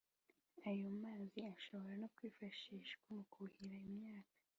. Ayo mazi ashobora no kwifashishwa mu kuhira imyaka